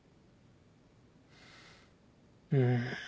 うん。